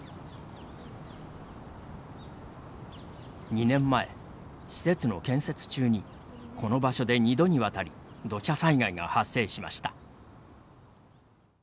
２年前、施設の建設中にこの場所で２度にわたり土砂災害が発生しました。